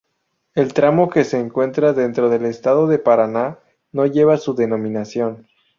El tramo que se encuentra dentro del estado de Paraná no lleva su denominación.